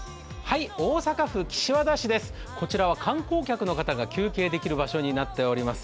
こちらは観光客の方が休憩できる場所になっています。